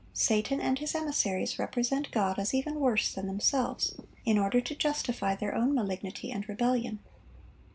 Satan and his emissaries represent God as even worse than themselves, in order to justify their own malignity and rebellion.